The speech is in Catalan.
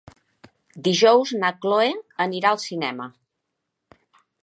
Dijous na Cloè anirà al cinema.